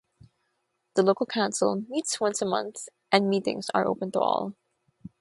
The local council meets once a month and meetings are open to all.